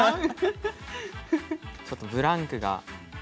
ちょっとブランクが。